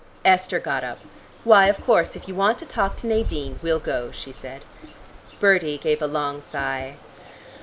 Esther got up. "Why, of course, if you want to talk to Nadine, we'll go," she said. Bertie gave a long sigh.